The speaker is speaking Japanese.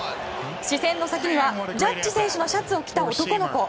視線の先にはジャッジ選手のシャツを着た男の子。